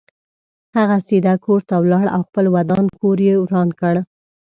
هغه سیده کور ته ولاړ او خپل ودان کور یې وران کړ.